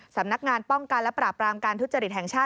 สำนักงานป้องกันและปราบรามการทุจริตแห่งชาติ